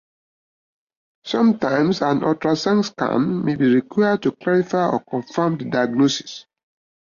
Sometimes an ultrasound scan may be required to clarify or confirm the diagnosis.